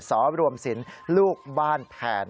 สรวมสินลูกบ้านแทน